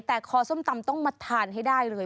แต่คอส้มตำต้องมาทานให้ได้เลย